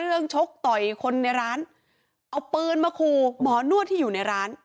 เรื่องชกต่อยคนในร้านเอาเปลือนมาครูหมอนว่าที่อยู่ในร้าน